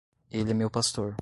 Ele é meu pastor.